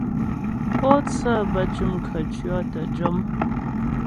Pǒtsə bə́ cʉm khətʉɔ̌ tə́ jɔm.